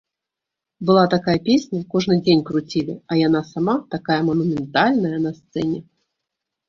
Была такая песня, кожны дзень круцілі, а яна сама такая манументальная на сцэне.